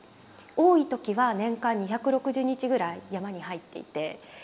多い時は年間２６０日ぐらい山に入っていて。